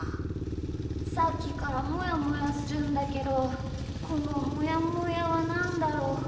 さっきからもやもやするんだけどこのもやもやはなんだろう？